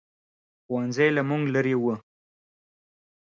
ښوؤنځی له موږ لرې ؤ